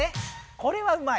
これはうまい。